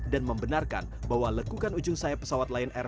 dan membenarkan bahwa lekukan ujung sayap pesawat lion air